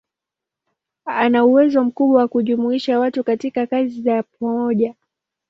Ana uwezo mkubwa wa kujumuisha watu katika kazi ya pamoja.